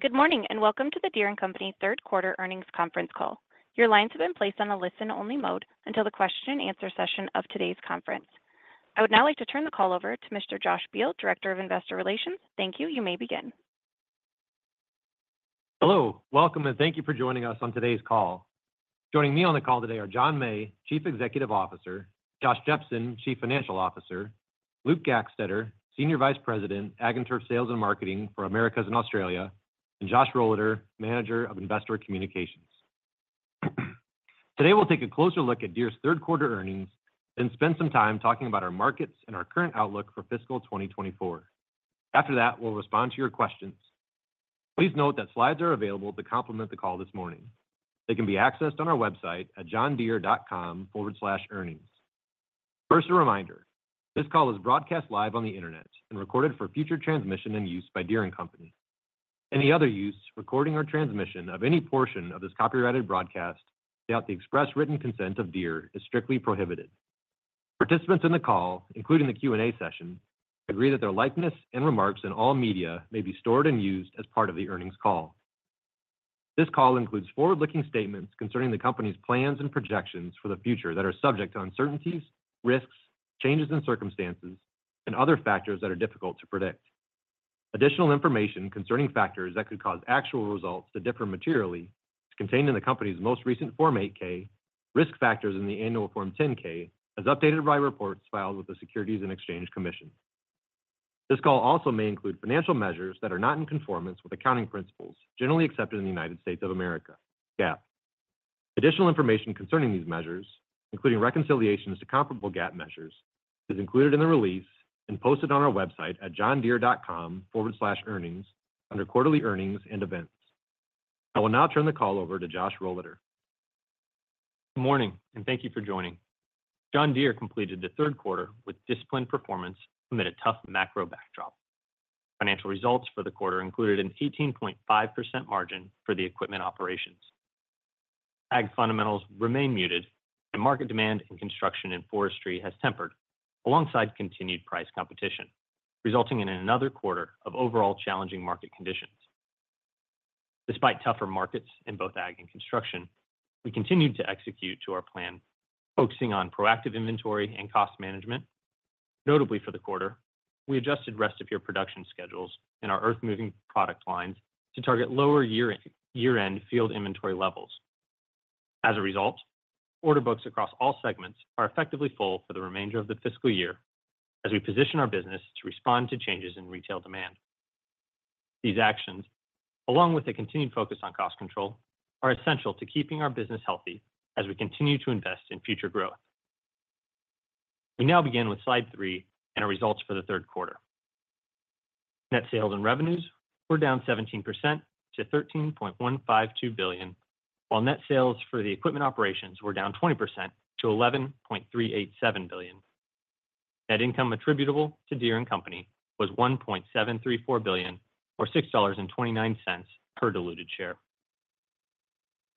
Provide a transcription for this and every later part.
Good morning, and welcome to the Deere & Company third quarter earnings conference call. Your lines have been placed on a listen-only mode until the question and answer session of today's conference. I would now like to turn the call over to Mr. Josh Beal, Director of Investor Relations. Thank you. You may begin. Hello, welcome, and thank you for joining us on today's call. Joining me on the call today are John May, Chief Executive Officer, Josh Jepsen, Chief Financial Officer, Luke Gackstetter, Senior Vice President, Ag and Turf Sales and Marketing for Americas and Australia, and Josh Rohleder, Manager of Investor Communications. Today, we'll take a closer look at Deere's third quarter earnings and spend some time talking about our markets and our current outlook for fiscal 2024. After that, we'll respond to your questions. Please note that slides are available to complement the call this morning. They can be accessed on our website at johndeere.com/earnings. First, a reminder. This call is broadcast live on the Internet and recorded for future transmission and use by Deere and Company. Any other use, recording, or transmission of any portion of this copyrighted broadcast without the express written consent of Deere is strictly prohibited. Participants in the call, including the Q&A session, agree that their likeness and remarks in all media may be stored and used as part of the earnings call. This call includes forward-looking statements concerning the company's plans and projections for the future that are subject to uncertainties, risks, changes in circumstances, and other factors that are difficult to predict. Additional information concerning factors that could cause actual results to differ materially is contained in the company's most recent Form 8-K, Risk Factors in the Annual Form 10-K, as updated by reports filed with the Securities and Exchange Commission. This call also may include financial measures that are not in conformance with accounting principles, generally accepted in the United States of America, GAAP. Additional information concerning these measures, including reconciliations to comparable GAAP measures, is included in the release and posted on our website at johndeere.com/earnings under Quarterly Earnings and Events. I will now turn the call over to Josh Rohleder. Good morning, and thank you for joining. John Deere completed the third quarter with disciplined performance amid a tough macro backdrop. Financial results for the quarter included an 18.5% margin for the equipment operations. Ag fundamentals remain muted, and market demand in construction and forestry has tempered alongside continued price competition, resulting in another quarter of overall challenging market conditions. Despite tougher markets in both ag and construction, we continued to execute to our plan, focusing on proactive inventory and cost management. Notably for the quarter, we adjusted rest of year production schedules in our earthmoving product lines to target lower year-end field inventory levels. As a result, order books across all segments are effectively full for the remainder of the fiscal year as we position our business to respond to changes in retail demand. These actions, along with a continued focus on cost control, are essential to keeping our business healthy as we continue to invest in future growth. We now begin with Slide 3 and our results for the third quarter. Net sales and revenues were down 17% to $13.152 billion, while net sales for the equipment operations were down 20% to $11.387 billion. Net income attributable to Deere & Company was $1.734 billion, or $6.29 per diluted share.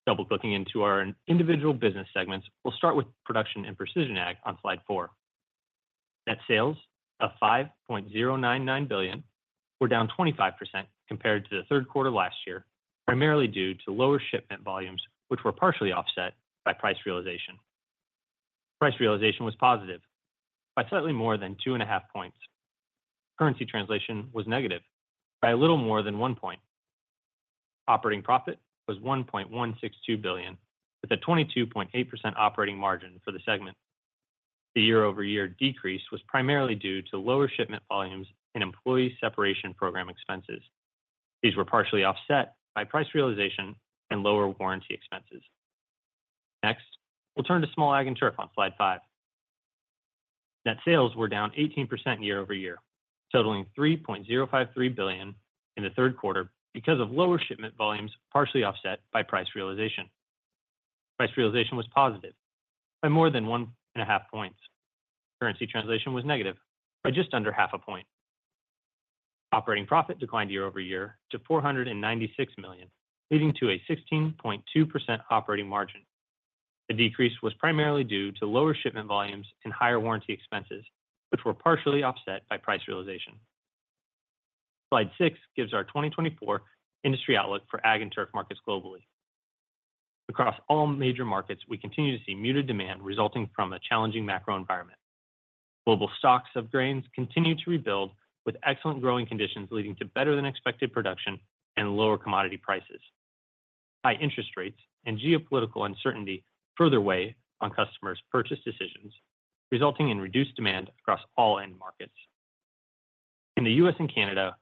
Double-clicking into our individual business segments, we'll start with Production and Precision Ag on Slide 4. Net sales of $5.099 billion were down 25% compared to the third quarter last year, primarily due to lower shipment volumes, which were partially offset by price realization. Price realization was positive by slightly more than 2.5 points. Currency translation was negative by a little more than 1 point. Operating profit was $1.162 billion, with a 22.8% operating margin for the segment. The year-over-year decrease was primarily due to lower shipment volumes and employee separation program expenses. These were partially offset by price realization and lower warranty expenses. Next, we'll turn to Small Ag and Turf on Slide 5. Net sales were down 18% year-over-year, totaling $3.053 billion in the third quarter because of lower shipment volumes, partially offset by price realization. Price realization was positive by more than 1.5 points. Currency translation was negative by just under half a point. Operating profit declined year-over-year to $496 million, leading to a 16.2% operating margin. The decrease was primarily due to lower shipment volumes and higher warranty expenses, which were partially offset by price realization. Slide 6 gives our 2024 industry outlook for ag and turf markets globally. Across all major markets, we continue to see muted demand resulting from a challenging macro environment. Global stocks of grains continue to rebuild, with excellent growing conditions leading to better-than-expected production and lower commodity prices. High interest rates and geopolitical uncertainty further weigh on customers' purchase decisions, resulting in reduced demand across all end markets. In the US and Canada,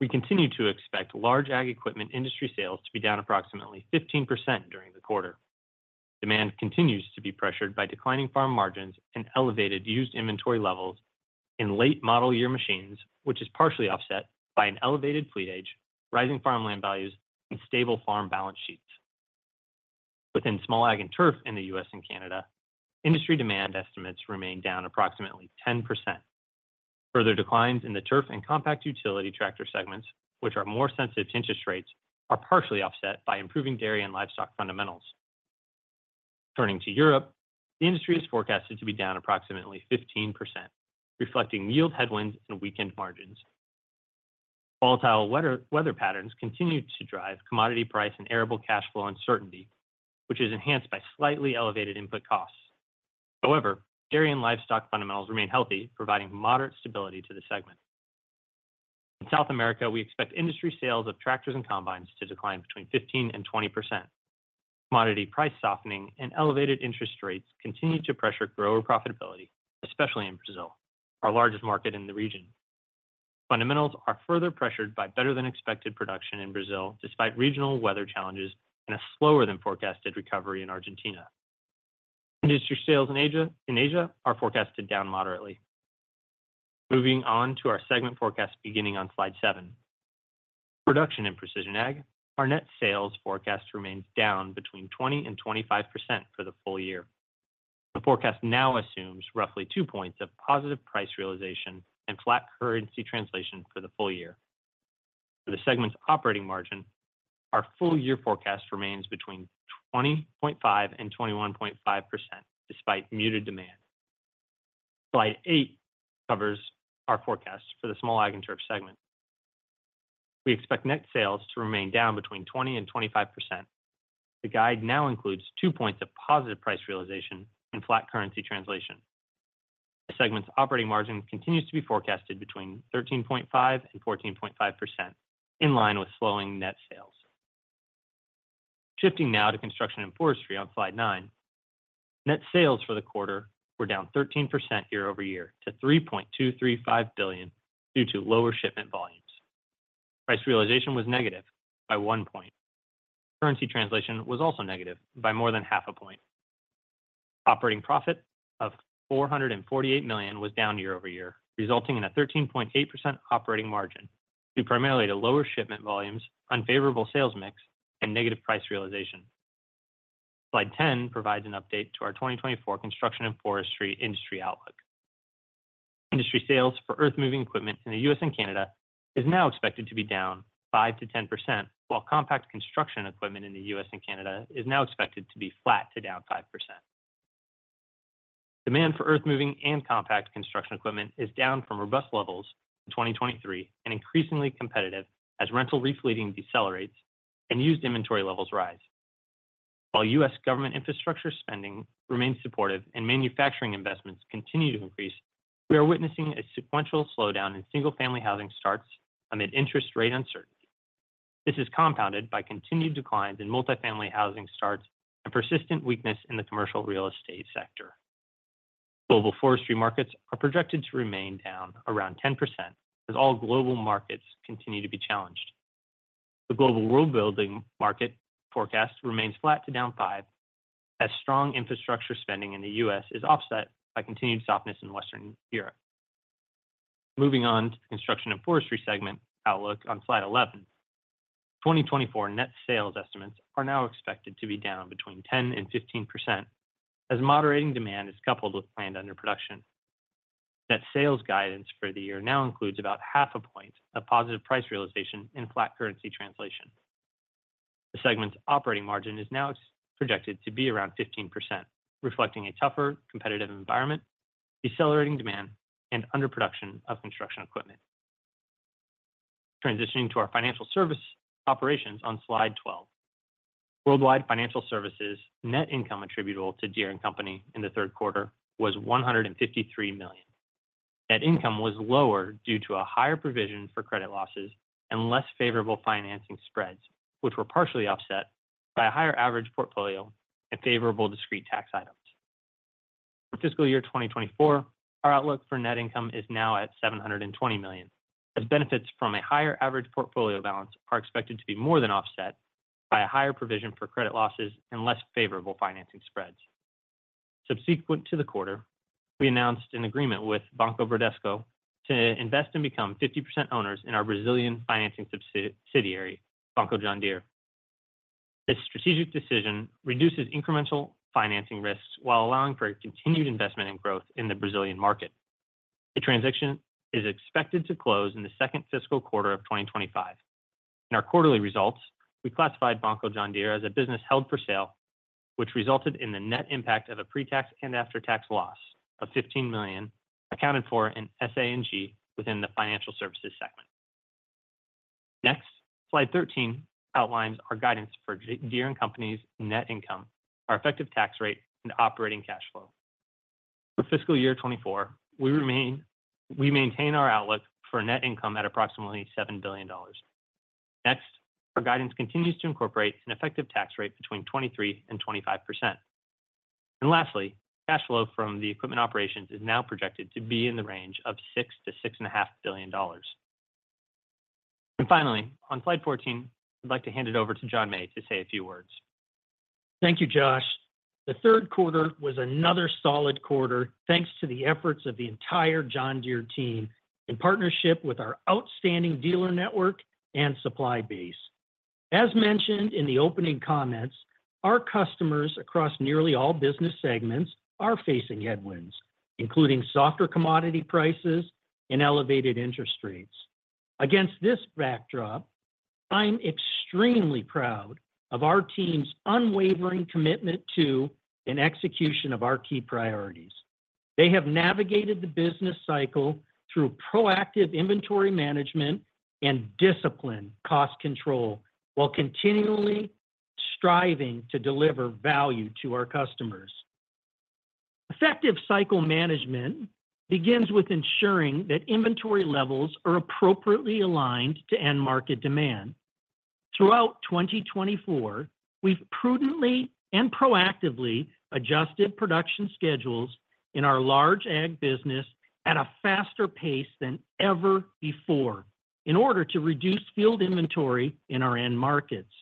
we continue to expect large ag equipment industry sales to be down approximately 15% during the quarter. Demand continues to be pressured by declining farm margins and elevated used inventory levels in late model-year machines, which is partially offset by an elevated fleet age, rising farmland values, and stable farm balance sheets. Within Small Ag and Turf in the U.S. and Canada, industry demand estimates remain down approximately 10%. Further declines in the turf and compact utility tractor segments, which are more sensitive to interest rates, are partially offset by improving dairy and livestock fundamentals.... Turning to Europe, the industry is forecasted to be down approximately 15%, reflecting yield headwinds and weakened margins. Volatile weather patterns continue to drive commodity price and arable cash flow uncertainty, which is enhanced by slightly elevated input costs. However, dairy and livestock fundamentals remain healthy, providing moderate stability to the segment. In South America, we expect industry sales of tractors and combines to decline between 15% and 20%. Commodity price softening and elevated interest rates continue to pressure grower profitability, especially in Brazil, our largest market in the region. Fundamentals are further pressured by better-than-expected production in Brazil, despite regional weather challenges and a slower-than-forecasted recovery in Argentina. Industry sales in Asia are forecasted down moderately. Moving on to our segment forecast beginning on slide 7. Production and Precision Ag, our net sales forecast remains down between 20% and 25% for the full year. The forecast now assumes roughly 2 points of positive price realization and flat currency translation for the full year. For the segment's operating margin, our full-year forecast remains between 20.5% and 21.5%, despite muted demand. Slide 8 covers our forecast for the Small Ag and Turf segment. We expect net sales to remain down between 20% and 25%. The guide now includes 2 points of positive price realization and flat currency translation. The segment's operating margin continues to be forecasted between 13.5% and 14.5%, in line with slowing net sales. Shifting now to Construction and Forestry on slide 9. Net sales for the quarter were down 13% year-over-year to $3.235 billion due to lower shipment volumes. Price realization was negative by 1 point. Currency translation was also negative by more than 0.5 point. Operating profit of $448 million was down year-over-year, resulting in a 13.8% operating margin due primarily to lower shipment volumes, unfavorable sales mix, and negative price realization. Slide 10 provides an update to our 2024 Construction and Forestry industry outlook. Industry sales for earthmoving equipment in the U.S. and Canada is now expected to be down 5%-10%, while compact construction equipment in the U.S. and Canada is now expected to be flat to down 5%. Demand for earthmoving and compact construction equipment is down from robust levels in 2023 and increasingly competitive as rental re-fleeting decelerates and used inventory levels rise. While U.S. government infrastructure spending remains supportive and manufacturing investments continue to increase, we are witnessing a sequential slowdown in single-family housing starts amid interest rate uncertainty. This is compounded by continued declines in multifamily housing starts and persistent weakness in the commercial real estate sector. Global forestry markets are projected to remain down around 10%, as all global markets continue to be challenged. The global road building market forecast remains flat to down 5%, as strong infrastructure spending in the U.S. is offset by continued softness in Western Europe. Moving on to Construction and Forestry segment outlook on slide 11. 2024 net sales estimates are now expected to be down 10%-15%, as moderating demand is coupled with planned underproduction. Net sales guidance for the year now includes about 0.5 point of positive price realization in flat currency translation. The segment's operating margin is now expected to be around 15%, reflecting a tougher competitive environment, decelerating demand, and underproduction of construction equipment. Transitioning to our financial service operations on slide 12. Worldwide financial services net income attributable to Deere & Company in the third quarter was $153 million. Net income was lower due to a higher provision for credit losses and less favorable financing spreads, which were partially offset by a higher average portfolio and favorable discrete tax items. For fiscal year 2024, our outlook for net income is now at $720 million, as benefits from a higher average portfolio balance are expected to be more than offset by a higher provision for credit losses and less favorable financing spreads. Subsequent to the quarter, we announced an agreement with Banco Bradesco to invest and become 50% owners in our Brazilian financing subsidiary, Banco John Deere. This strategic decision reduces incremental financing risks while allowing for a continued investment and growth in the Brazilian market. The transaction is expected to close in the second fiscal quarter of 2025. In our quarterly results, we classified Banco John Deere as a business held for sale, which resulted in the net impact of a pre-tax and after-tax loss of $15 million, accounted for in SA&G within the financial services segment. Next, slide 13 outlines our guidance for Deere & Company's net income, our effective tax rate, and operating cash flow. For fiscal year 2024, we maintain our outlook for net income at approximately $7 billion. Next, our guidance continues to incorporate an effective tax rate between 23% and 25%. Lastly, cash flow from the equipment operations is now projected to be in the range of $6 billion-$6.5 billion. Finally, on slide 14, I'd like to hand it over to John May to say a few words. Thank you, Josh. The third quarter was another solid quarter, thanks to the efforts of the entire John Deere team in partnership with our outstanding dealer network and supply base. As mentioned in the opening comments, our customers across nearly all business segments are facing headwinds, including softer commodity prices and elevated interest rates. Against this backdrop, I'm extremely proud of our team's unwavering commitment to and execution of our key priorities. They have navigated the business cycle through proactive inventory management and disciplined cost control, while continually striving to deliver value to our customers. Effective cycle management begins with ensuring that inventory levels are appropriately aligned to end market demand. Throughout 2024, we've prudently and proactively adjusted production schedules in our large ag business at a faster pace than ever before in order to reduce field inventory in our end markets.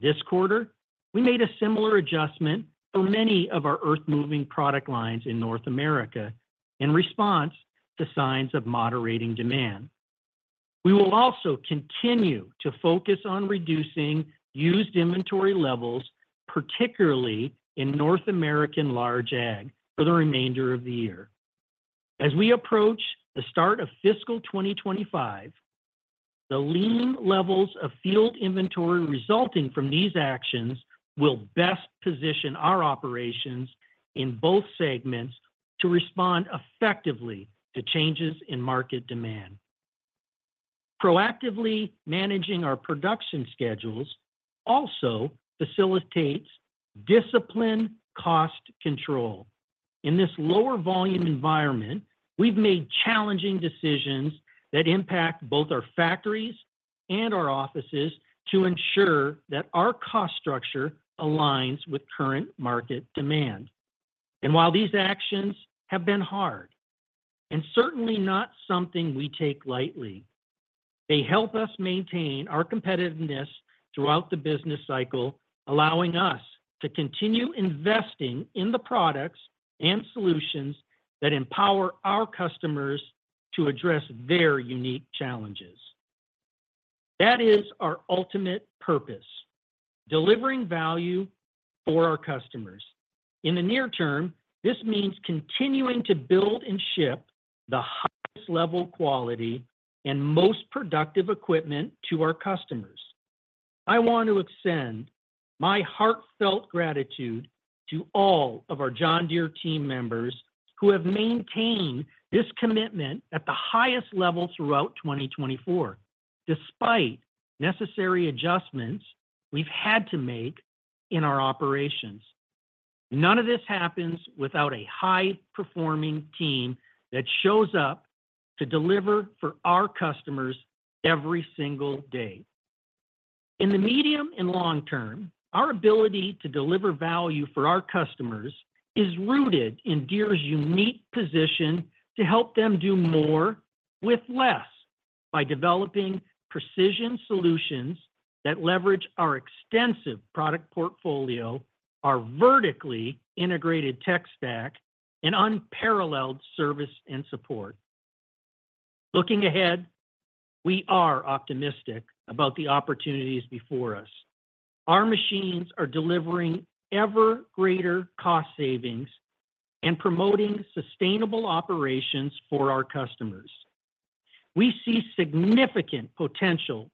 This quarter, we made a similar adjustment for many of our earthmoving product lines in North America in response to signs of moderating demand. We will also continue to focus on reducing used inventory levels, particularly in North American large ag, for the remainder of the year. As we approach the start of fiscal 2025, the lean levels of field inventory resulting from these actions will best position our operations in both segments to respond effectively to changes in market demand. Proactively managing our production schedules also facilitates disciplined cost control. In this lower volume environment, we've made challenging decisions that impact both our factories and our offices to ensure that our cost structure aligns with current market demand. While these actions have been hard, and certainly not something we take lightly, they help us maintain our competitiveness throughout the business cycle, allowing us to continue investing in the products and solutions that empower our customers to address their unique challenges. That is our ultimate purpose: delivering value for our customers. In the near term, this means continuing to build and ship the highest level quality and most productive equipment to our customers. I want to extend my heartfelt gratitude to all of our John Deere team members who have maintained this commitment at the highest level throughout 2024, despite necessary adjustments we've had to make in our operations. None of this happens without a high-performing team that shows up to deliver for our customers every single day. In the medium and long term, our ability to deliver value for our customers is rooted in Deere's unique position to help them do more with less by developing precision solutions that leverage our extensive product portfolio, our vertically integrated tech stack, and unparalleled service and support. Looking ahead, we are optimistic about the opportunities before us. Our machines are delivering ever greater cost savings and promoting sustainable operations for our customers. We see significant potential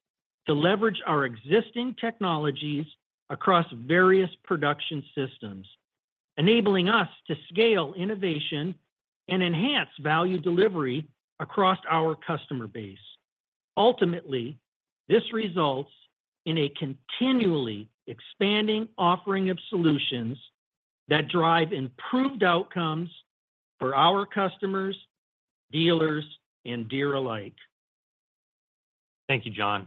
to leverage our existing technologies across various production systems, enabling us to scale innovation and enhance value delivery across our customer base. Ultimately, this results in a continually expanding offering of solutions that drive improved outcomes for our customers, dealers, and Deere alike. Thank you, John.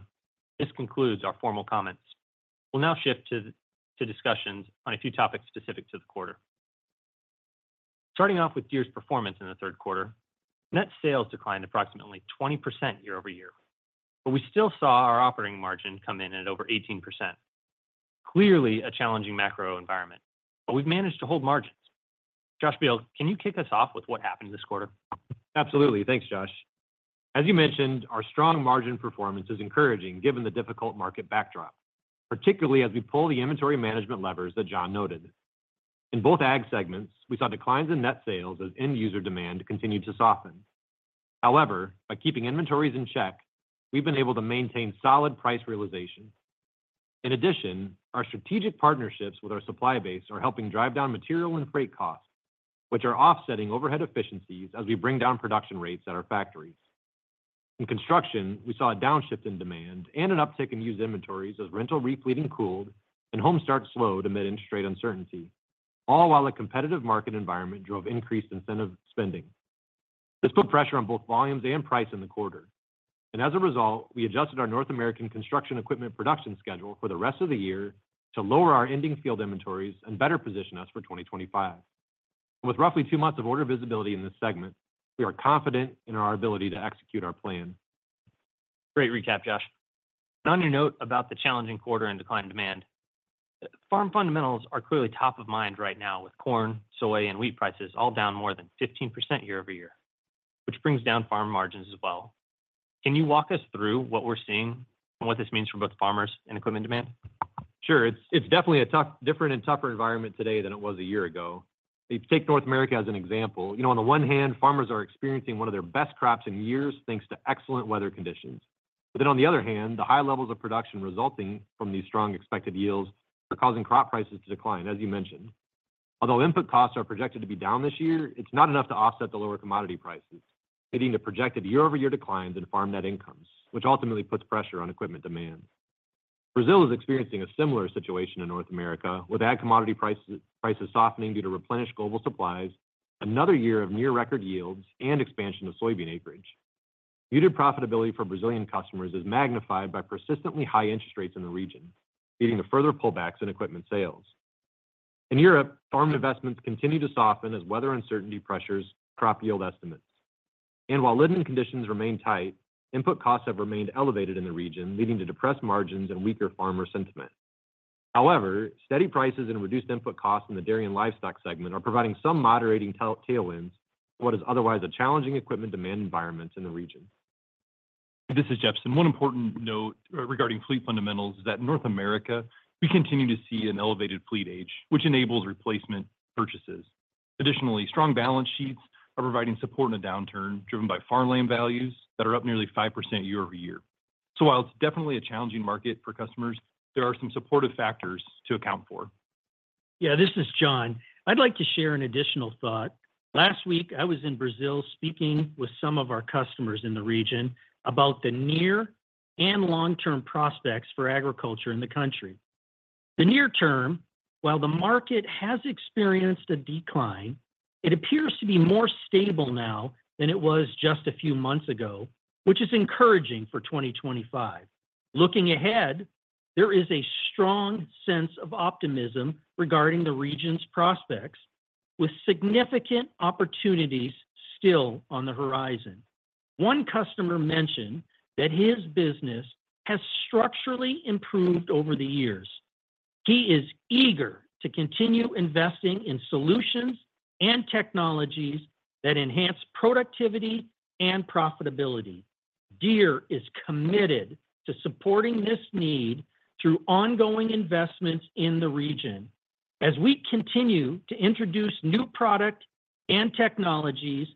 This concludes our formal comments. We'll now shift to discussions on a few topics specific to the quarter. Starting off with Deere's performance in the third quarter, net sales declined approximately 20% year-over-year, but we still saw our operating margin come in at over 18%. Clearly, a challenging macro environment, but we've managed to hold margins. Josh Beal, can you kick us off with what happened this quarter? Absolutely. Thanks, Josh. As you mentioned, our strong margin performance is encouraging given the difficult market backdrop, particularly as we pull the inventory management levers that John noted. In both ag segments, we saw declines in net sales as end-user demand continued to soften. However, by keeping inventories in check, we've been able to maintain solid price realization. In addition, our strategic partnerships with our supply base are helping drive down material and freight costs, which are offsetting overhead efficiencies as we bring down production rates at our factories. In construction, we saw a downshift in demand and an uptick in used inventories as rental replenishing cooled and home starts slowed amid interest rate uncertainty All while a competitive market environment drove increased incentive spending. This put pressure on both volumes and price in the quarter, and as a result, we adjusted our North American construction equipment production schedule for the rest of the year to lower our ending field inventories and better position us for 2025. With roughly two months of order visibility in this segment, we are confident in our ability to execute our plan. Great recap, Josh. On your note about the challenging quarter and decline in demand, farm fundamentals are clearly top of mind right now, with corn, soy, and wheat prices all down more than 15% year-over-year, which brings down farm margins as well. Can you walk us through what we're seeing and what this means for both farmers and equipment demand? Sure, it's, it's definitely a tough, different and tougher environment today than it was a year ago. If you take North America as an example, you know, on the one hand, farmers are experiencing one of their best crops in years, thanks to excellent weather conditions. But then, on the other hand, the high levels of production resulting from these strong expected yields are causing crop prices to decline, as you mentioned. Although input costs are projected to be down this year, it's not enough to offset the lower commodity prices, leading to projected year-over-year declines in farm net incomes, which ultimately puts pressure on equipment demand. Brazil is experiencing a similar situation in North America, with ag commodity prices, prices softening due to replenished global supplies, another year of near-record yields, and expansion of soybean acreage. Reduced profitability for Brazilian customers is magnified by persistently high interest rates in the region, leading to further pullbacks in equipment sales. In Europe, farm investments continue to soften as weather uncertainty pressures crop yield estimates. And while lending conditions remain tight, input costs have remained elevated in the region, leading to depressed margins and weaker farmer sentiment. However, steady prices and reduced input costs in the dairy and livestock segment are providing some moderating tailwinds in what is otherwise a challenging equipment demand environment in the region. This is Jeff. One important note regarding fleet fundamentals is that North America, we continue to see an elevated fleet age, which enables replacement purchases. Additionally, strong balance sheets are providing support in a downturn, driven by farmland values that are up nearly 5% year-over-year. While it's definitely a challenging market for customers, there are some supportive factors to account for. Yeah, this is John. I'd like to share an additional thought. Last week, I was in Brazil speaking with some of our customers in the region about the near- and long-term prospects for agriculture in the country. The near term, while the market has experienced a decline, it appears to be more stable now than it was just a few months ago, which is encouraging for 2025. Looking ahead, there is a strong sense of optimism regarding the region's prospects, with significant opportunities still on the horizon. One customer mentioned that his business has structurally improved over the years. He is eager to continue investing in solutions and technologies that enhance productivity and profitability. Deere is committed to supporting this need through ongoing investments in the region as we continue to introduce new product and technologies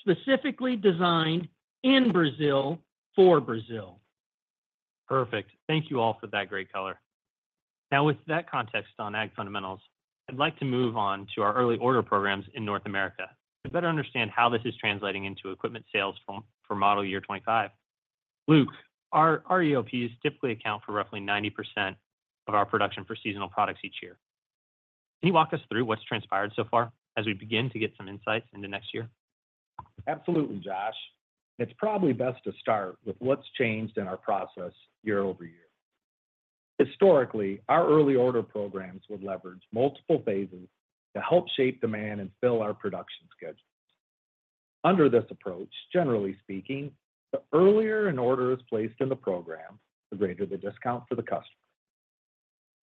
specifically designed in Brazil for Brazil. Perfect. Thank you all for that great color. Now, with that context on ag fundamentals, I'd like to move on to our Early Order Programss in North America to better understand how this is translating into equipment sales for model year 25. Luke, our EOPs typically account for roughly 90% of our production for seasonal products each year. Can you walk us through what's transpired so far as we begin to get some insights into next year? Absolutely, Josh. It's probably best to start with what's changed in our process year-over-year. Historically, our Early Order Programss would leverage multiple phases to help shape demand and fill our production schedules. Under this approach, generally speaking, the earlier an order is placed in the program, the greater the discount for the customer.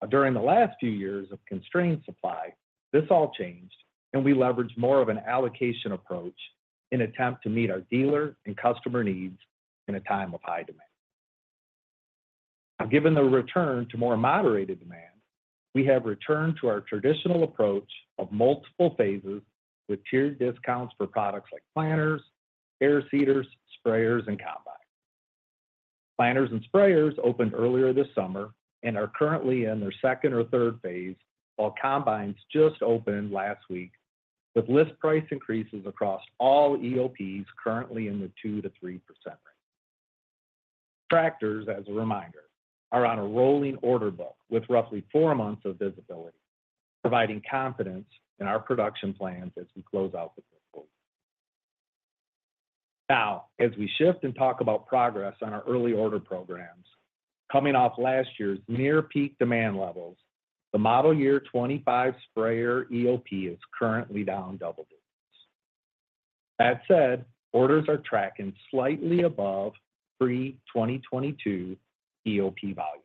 During the last few years of constrained supply, this all changed, and we leveraged more of an allocation approach in attempt to meet our dealer and customer needs in a time of high demand. Given the return to more moderated demand, we have returned to our traditional approach of multiple phases with tiered discounts for products like planters, air seeders, sprayers, and combines. Planters and sprayers opened earlier this summer and are currently in their second or third phase, while combines just opened last week, with list price increases across all EOPs currently in the 2%-3% range. Tractors, as a reminder, are on a rolling order book with roughly four months of visibility, providing confidence in our production plans as we close out the fiscal. Now, as we shift and talk about progress on our Early Order Programss, coming off last year's near peak demand levels, the model year 25 sprayer EOP is currently down double digits. That said, orders are tracking slightly above pre-2022 EOP volumes.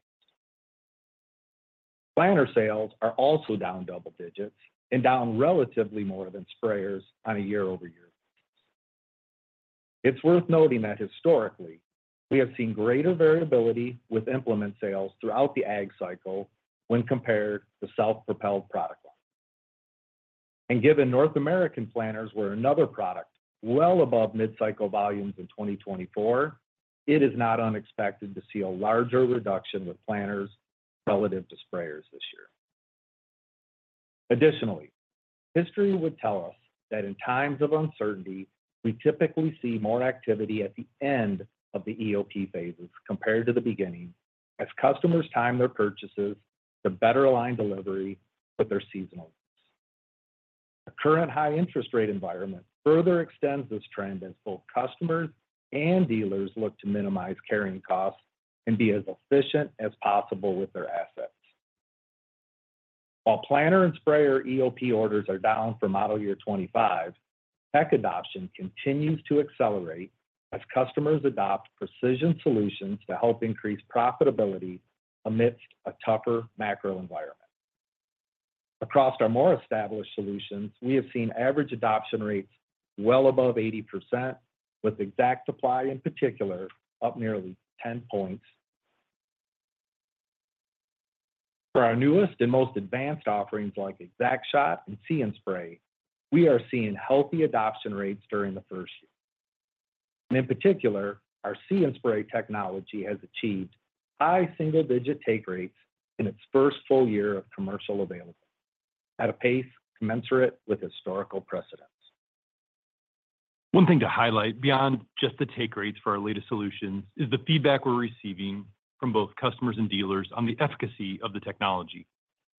Planter sales are also down double digits and down relatively more than sprayers on a year-over-year. It's worth noting that historically, we have seen greater variability with implement sales throughout the ag cycle when compared to self-propelled product line. Given North American planters were another product well above mid-cycle volumes in 2024, it is not unexpected to see a larger reduction with planters relative to sprayers this year. Additionally, history would tell us that in times of uncertainty, we typically see more activity at the end of the EOP phases compared to the beginning, as customers time their purchases to better align delivery with their seasonal. The current high interest rate environment further extends this trend as both customers and dealers look to minimize carrying costs and be as efficient as possible with their assets. While planter and sprayer EOP orders are down for model year 25, tech adoption continues to accelerate as customers adopt precision solutions to help increase profitability amidst a tougher macro environment. Across our more established solutions, we have seen average adoption rates well above 80%, with ExactApply in particular, up nearly 10 points. For our newest and most advanced offerings, like ExactShot and See & Spray, we are seeing healthy adoption rates during the first year. And in particular, our See & Spray technology has achieved high single-digit take rates in its first full year of commercial availability, at a pace commensurate with historical precedents. One thing to highlight beyond just the take rates for our latest solutions is the feedback we're receiving from both customers and dealers on the efficacy of the technology.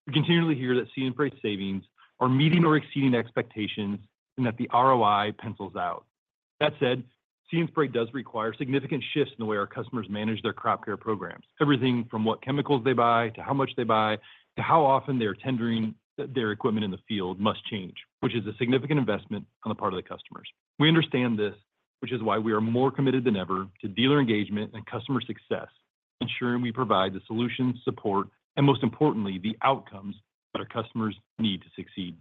We continually hear that See & Spray savings are meeting or exceeding expectations and that the ROI pencils out. That said, See & Spray does require significant shifts in the way our customers manage their crop care programs. Everything from what chemicals they buy, to how much they buy, to how often they're tendering their equipment in the field must change, which is a significant investment on the part of the customers. We understand this, which is why we are more committed than ever to dealer engagement and customer success, ensuring we provide the solutions, support, and most importantly, the outcomes that our customers need to succeed.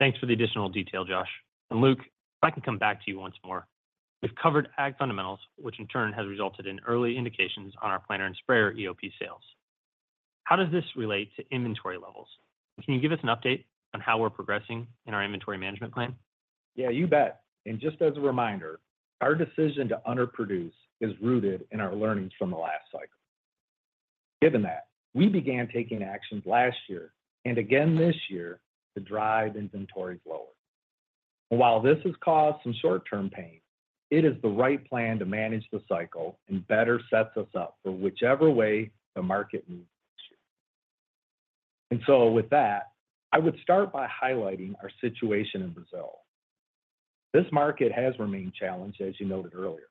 Thanks for the additional detail, Josh. Luke, if I can come back to you once more. We've covered ag fundamentals, which in turn has resulted in early indications on our planter and sprayer EOP sales. How does this relate to inventory levels? Can you give us an update on how we're progressing in our inventory management plan? Yeah, you bet. Just as a reminder, our decision to underproduce is rooted in our learnings from the last cycle. Given that, we began taking actions last year, and again this year, to drive inventories lower. While this has caused some short-term pain, it is the right plan to manage the cycle and better sets us up for whichever way the market moves this year. So with that, I would start by highlighting our situation in Brazil. This market has remained challenged, as you noted earlier.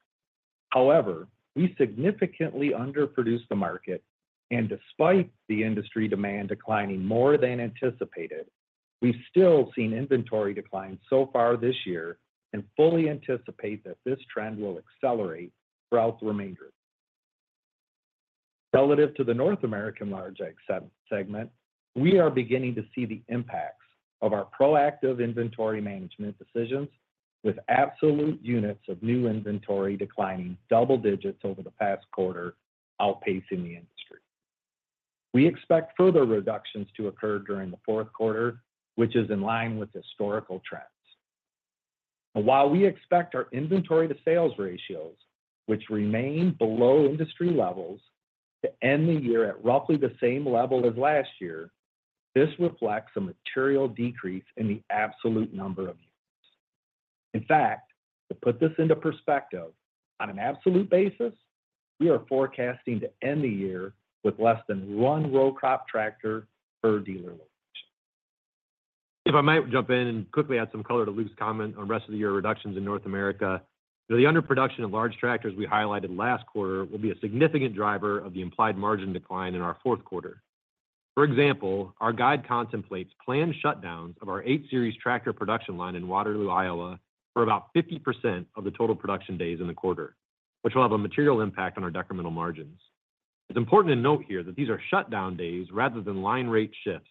However, we significantly underproduced the market, and despite the industry demand declining more than anticipated, we've still seen inventory decline so far this year and fully anticipate that this trend will accelerate throughout the remainder. Relative to the North American large ag segment, we are beginning to see the impacts of our proactive inventory management decisions, with absolute units of new inventory declining double digits over the past quarter, outpacing the industry. We expect further reductions to occur during the fourth quarter, which is in line with historical trends. While we expect our inventory to sales ratios, which remain below industry levels, to end the year at roughly the same level as last year, this reflects a material decrease in the absolute number of units. In fact, to put this into perspective, on an absolute basis, we are forecasting to end the year with less than one row crop tractor per dealer location. If I might jump in and quickly add some color to Luke's comment on rest of the year reductions in North America. The underproduction of large tractors we highlighted last quarter will be a significant driver of the implied margin decline in our fourth quarter. For example, our guide contemplates planned shutdowns of our 8 Series tractor production line in Waterloo, Iowa, for about 50% of the total production days in the quarter, which will have a material impact on our decremental margins. It's important to note here that these are shutdown days rather than line rate shifts,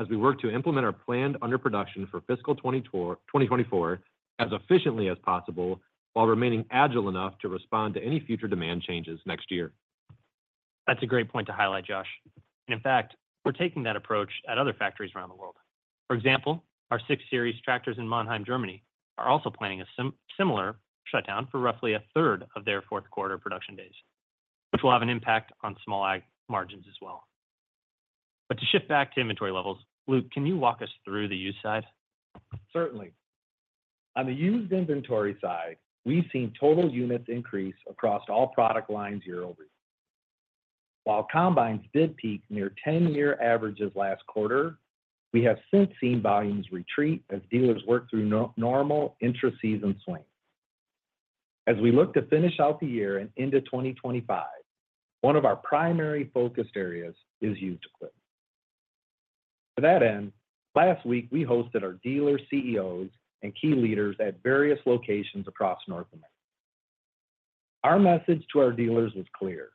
as we work to implement our planned underproduction for fiscal 2024, 2024 as efficiently as possible, while remaining agile enough to respond to any future demand changes next year. That's a great point to highlight, Josh. In fact, we're taking that approach at other factories around the world. For example, our 6 Series tractors in Mannheim, Germany, are also planning a similar shutdown for roughly a third of their fourth quarter production days, which will have an impact on small ag margins as well. But to shift back to inventory levels, Luke, can you walk us through the used side? Certainly. On the used inventory side, we've seen total units increase across all product lines year-over-year. While combines did peak near 10-year averages last quarter, we have since seen volumes retreat as dealers work through non-normal intra-season swings. As we look to finish out the year and into 2025, one of our primary focused areas is used equipment. To that end, last week, we hosted our dealer CEOs and key leaders at various locations across North America. Our message to our dealers was clear: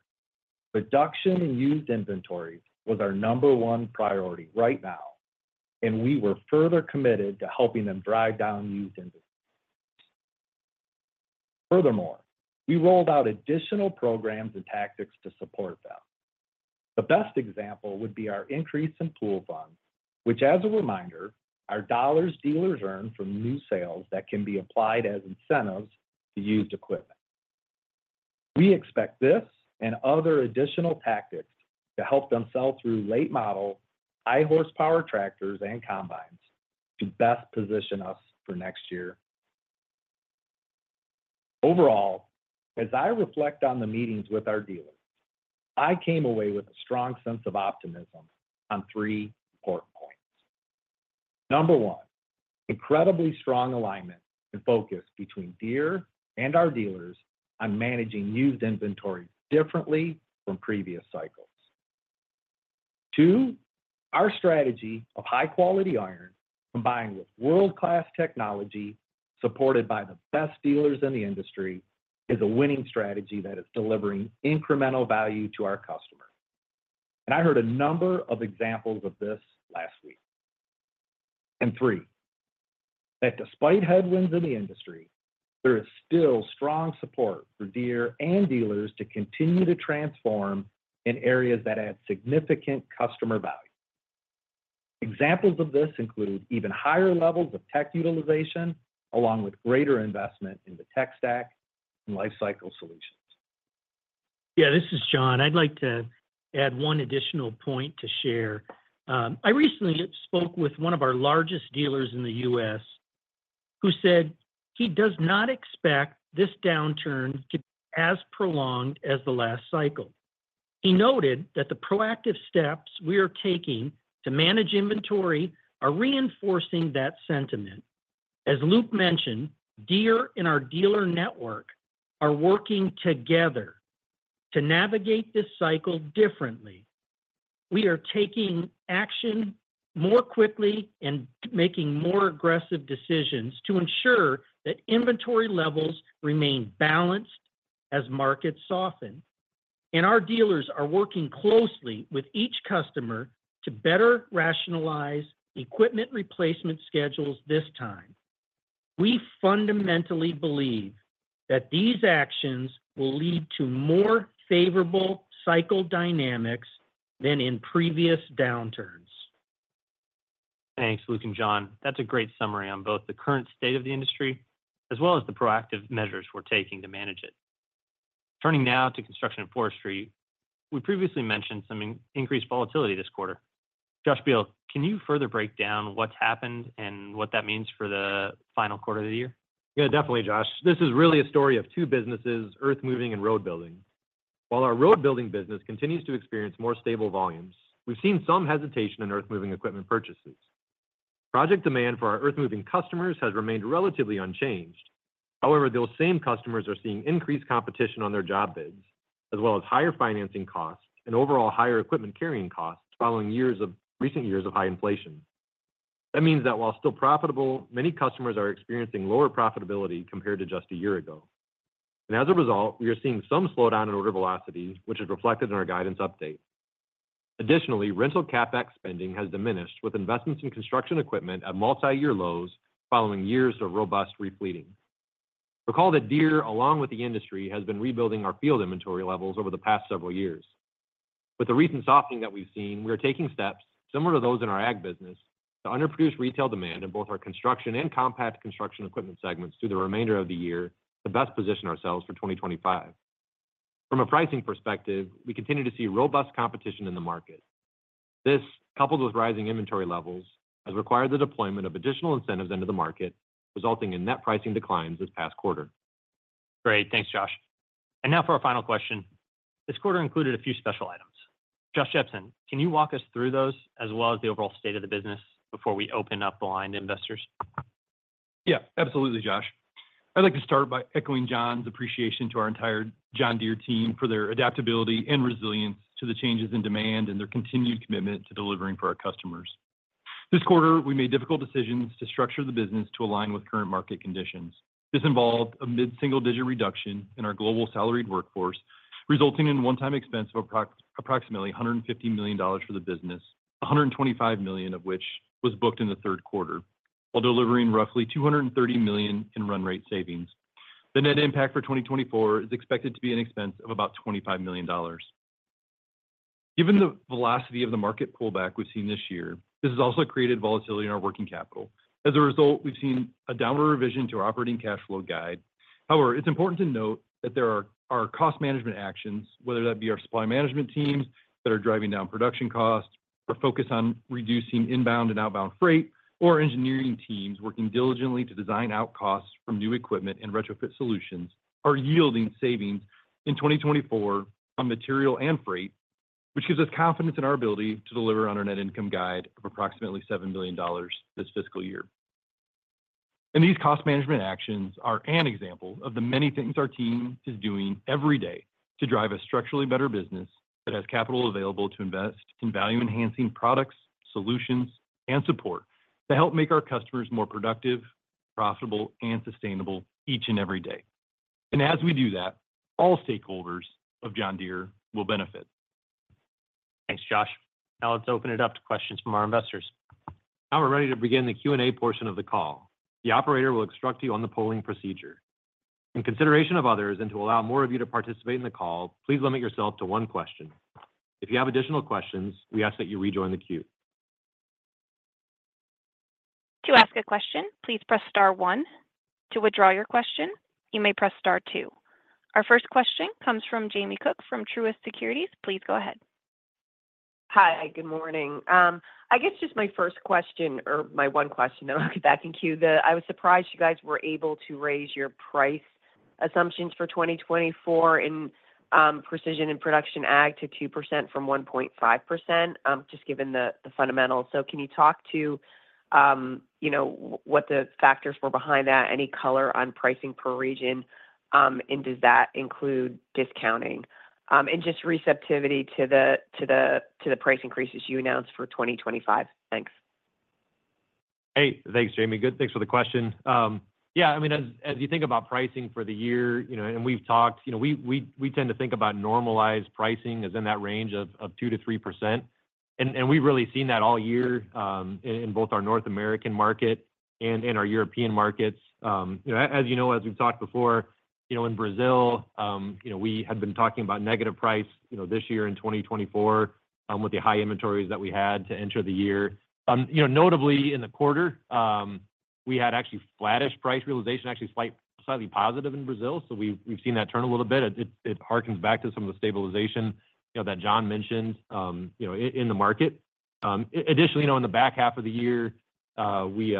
reduction in used inventories was our number one priority right now, and we were further committed to helping them drive down used inventory. Furthermore, we rolled out additional programs and tactics to support them. The best example would be our increase in pool funds, which, as a reminder, are dollars dealers earn from new sales that can be applied as incentives to used equipment. We expect this and other additional tactics to help them sell through late model, high horsepower tractors and combines to best position us for next year. Overall, as I reflect on the meetings with our dealers, I came away with a strong sense of optimism on three important points. Number one, incredibly strong alignment and focus between Deere and our dealers on managing used inventory differently from previous cycles. Two, our strategy of high quality iron combined with world-class technology, supported by the best dealers in the industry, is a winning strategy that is delivering incremental value to our customers. And I heard a number of examples of this last week. Three, that despite headwinds in the industry, there is still strong support for Deere and dealers to continue to transform in areas that add significant customer value. Examples of this include even higher levels of tech utilization, along with greater investment in the tech stack and lifecycle solutions. Yeah, this is John. I'd like to add one additional point to share. I recently spoke with one of our largest dealers in the U.S., who said he does not expect this downturn to be as prolonged as the last cycle. He noted that the proactive steps we are taking to manage inventory are reinforcing that sentiment. As Luke mentioned, Deere and our dealer network are working together to navigate this cycle differently. We are taking action more quickly and making more aggressive decisions to ensure that inventory levels remain balanced as markets soften. Our dealers are working closely with each customer to better rationalize equipment replacement schedules this time. We fundamentally believe that these actions will lead to more favorable cycle dynamics than in previous downturns. Thanks, Luke and John. That's a great summary on both the current state of the industry, as well as the proactive measures we're taking to manage it. Turning now to construction and forestry, we previously mentioned some increased volatility this quarter. Josh Beal, can you further break down what's happened and what that means for the final quarter of the year? Yeah, definitely, Josh. This is really a story of two businesses, earthmoving and road building. While our road building business continues to experience more stable volumes, we've seen some hesitation in earthmoving equipment purchases. Project demand for our earthmoving customers has remained relatively unchanged. However, those same customers are seeing increased competition on their job bids, as well as higher financing costs and overall higher equipment carrying costs following recent years of high inflation. That means that while still profitable, many customers are experiencing lower profitability compared to just a year ago. And as a result, we are seeing some slowdown in order velocity, which is reflected in our guidance update. Additionally, rental CapEx spending has diminished, with investments in construction equipment at multi-year lows following years of robust re-fleeting. Recall that Deere, along with the industry, has been rebuilding our field inventory levels over the past several years. With the recent softening that we've seen, we are taking steps, similar to those in our ag business, to underproduce retail demand in both our construction and compact construction equipment segments through the remainder of the year to best position ourselves for 2025. From a pricing perspective, we continue to see robust competition in the market. This, coupled with rising inventory levels, has required the deployment of additional incentives into the market, resulting in net pricing declines this past quarter. Great. Thanks, Josh. Now for our final question. This quarter included a few special items. Josh Jepsen, can you walk us through those, as well as the overall state of the business before we open up the line to investors? Yeah, absolutely, Josh. I'd like to start by echoing John's appreciation to our entire John Deere team for their adaptability and resilience to the changes in demand and their continued commitment to delivering for our customers. This quarter, we made difficult decisions to structure the business to align with current market conditions. This involved a mid-single-digit reduction in our global salaried workforce, resulting in a one-time expense of approximately $150 million for the business, $125 million of which was booked in the third quarter, while delivering roughly $230 million in run rate savings. The net impact for 2024 is expected to be an expense of about $25 million. Given the velocity of the market pullback we've seen this year, this has also created volatility in our working capital. As a result, we've seen a downward revision to our operating cash flow guide. However, it's important to note that there are our cost management actions, whether that be our supply management teams that are driving down production costs or focus on reducing inbound and outbound freight, or engineering teams working diligently to design out costs from new equipment and retrofit solutions, are yielding savings in 2024 on material and freight Which gives us confidence in our ability to deliver on our net income guide of approximately $7 billion this fiscal year. These cost management actions are an example of the many things our team is doing every day to drive a structurally better business that has capital available to invest in value-enhancing products, solutions, and support to help make our customers more productive, profitable, and sustainable each and every day. As we do that, all stakeholders of John Deere will benefit. Thanks, Josh. Now let's open it up to questions from our investors. Now we're ready to begin the Q&A portion of the call. The operator will instruct you on the polling procedure. In consideration of others and to allow more of you to participate in the call, please limit yourself to one question. If you have additional questions, we ask that you rejoin the queue. To ask a question, please press star one. To withdraw your question, you may press star two. Our first question comes from Jamie Cook, from Truist Securities. Please go ahead. Hi, good morning. I guess just my first question or my one question, and I'll get back in queue. I was surprised you guys were able to raise your price assumptions for 2024 in precision and production ag to 2% from 1.5%, just given the fundamentals. So can you talk to, you know, what the factors were behind that, any color on pricing per region, and does that include discounting? And just receptivity to the price increases you announced for 2025. Thanks. Hey, thanks, Jamie. Good. Thanks for the question. Yeah, I mean, as you think about pricing for the year, you know, and we've talked, you know, we tend to think about normalized pricing as in that range of 2%-3%. And we've really seen that all year in both our North American market and in our European markets. You know, as you know, as we've talked before, you know, in Brazil, you know, we had been talking about negative price this year in 2024 with the high inventories that we had to enter the year. You know, notably in the quarter, we had actually flattish price realization, actually slightly positive in Brazil. So we've seen that turn a little bit. It hearkens back to some of the stabilization, you know, that John mentioned, in the market. Additionally, you know, in the back half of the year, we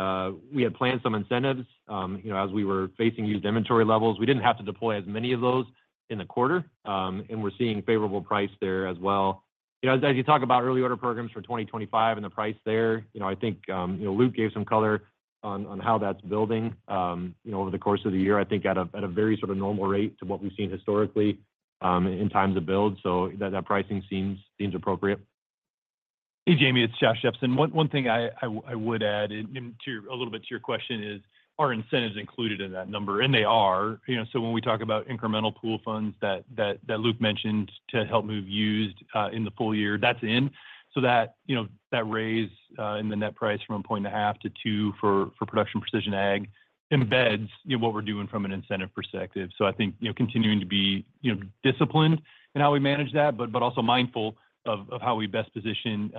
had planned some incentives, you know, as we were facing used inventory levels. We didn't have to deploy as many of those in the quarter, and we're seeing favorable price there as well. You know, as you talk about Early Order Programss for 2025 and the price there, you know, I think, you know, Luke gave some color on how that's building, you know, over the course of the year, I think at a very sort of normal rate to what we've seen historically, in times of build. So that pricing seems appropriate. Hey, Jamie, it's Josh Jepsen. One thing I would add in a little bit to your question is, are incentives included in that number? And they are. You know, so when we talk about incremental pool funds that Luke mentioned to help move used in the full year, that's in. So that, you know, that raise in the net price from 1.5 to 2 for Production & Precision ag embeds, you know, what we're doing from an incentive perspective. So I think, you know, continuing to be, you know, disciplined in how we manage that, but also mindful of how we best position